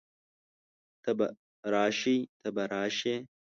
ته به راشئ، ته به راشې